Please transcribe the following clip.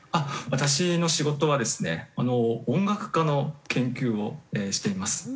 私の仕事はですね音楽家の研究をしています。